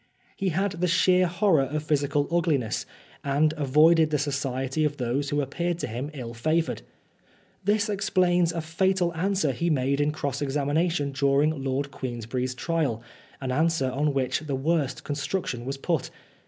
He had the sheer horror of physical ugliness, and avoided the society of those who appeared to him ill favoured. This explains a fatal answer he made in cross examination during Lord Queensberry's trial, an answer on which the worst con struction was put.